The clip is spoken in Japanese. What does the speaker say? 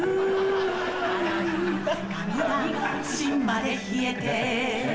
洗い髪が芯まで冷えて